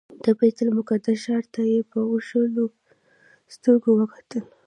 د بیت المقدس ښار ته یې په اوښلنو سترګو وکتل.